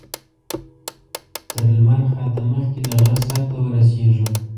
تر لمر خاته مخکې د غره سر ته ورسېږو.